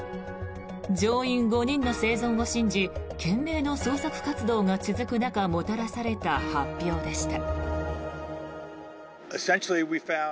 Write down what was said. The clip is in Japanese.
乗員５人の生存を信じ懸命の捜索活動が続く中もたらされた発表でした。